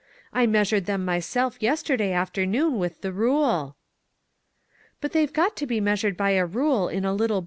I measured them myself yesterday afternoon with the rule." "But they've got to be measured by a rule in a little bo.